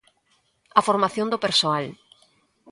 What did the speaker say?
A formación do persoal.